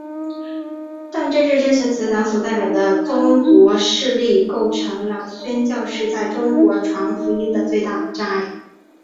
但正是这些祠堂所代表的宗族势力构成了宣教士在中国传福音的最大障碍。